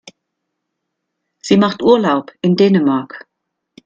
Sie macht Urlaub in Dänemark.